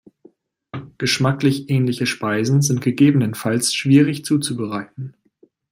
Geschmacklich ähnliche Speisen sind gegebenenfalls schwierig zuzubereiten.